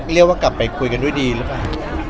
เรียกว่ากลับไปคุยกันด้วยดีหรือเปล่า